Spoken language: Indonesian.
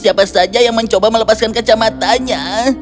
siapa saja yang mencoba melepaskan kacamatanya